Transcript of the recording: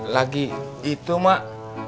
lagi itu mak